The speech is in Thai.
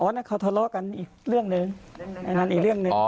อันนี้เขาทะเลาะกันอีกเรื่องหนึ่งอันนั้นอีกเรื่องหนึ่ง